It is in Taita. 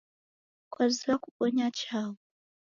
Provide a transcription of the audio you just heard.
kwazoya kubonya chaghu?